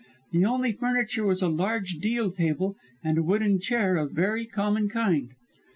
The only furniture was a large deal table and a wooden chair of a very common kind.